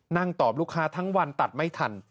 นั่งตอบลูกค้าทั้งวันตัดไม่ทัน